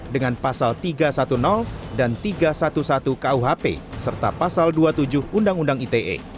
dengan pasal tiga ratus sepuluh dan tiga ratus sebelas kuhp serta pasal dua puluh tujuh undang undang ite